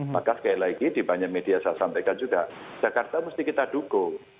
maka sekali lagi di banyak media saya sampaikan juga jakarta mesti kita dukung